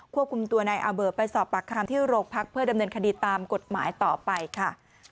ควบคุมตัวนายอาเบิร์ดไปสอบปากคำที่โรงพักเพื่อดำเนินคดีตามกฎหมายต่อไปค่ะ